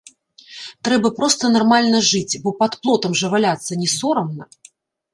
Трэба проста нармальна жыць, бо пад плотам жа валяцца не сорамна.